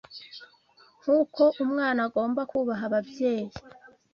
Nk’uko umwana agomba kubaha ababyeyi